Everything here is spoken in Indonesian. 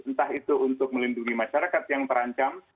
entah itu untuk melindungi masyarakat yang terancam